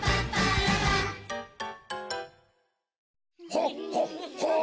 ほっほっほ！